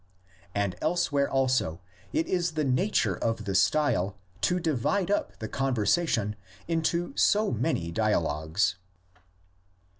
And elsewhere also it is the nature of the style to divide up the conversation into so many dialogues.